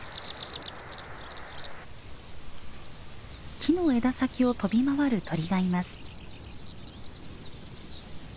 木の枝先を飛び回る鳥がいます。